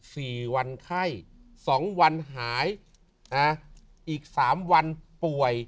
สี่วันไข้สองวันหายนะอีกสามวันป่วย